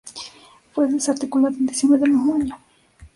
Fue desarticulado en diciembre del mismo año.